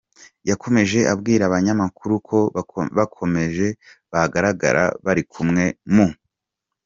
Yakomeje abwira abanyamakuru ko bakomeje bagaragara bari kumwe mu.